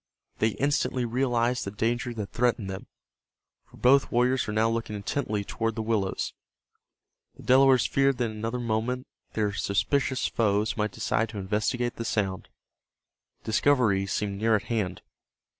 They instantly realized the danger that threatened them, for both warriors were now looking intently toward the willows. The Delawares feared that in another moment their suspicious foes might decide to investigate the sound. Discovery seemed near at hand.